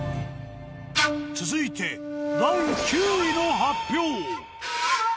続いて第９位の発表。